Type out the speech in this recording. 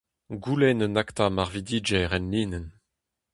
Goulenn un akta marvidigezh enlinenn.